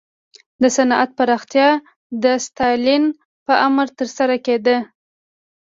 د صنعت پراختیا د ستالین په امر ترسره کېده.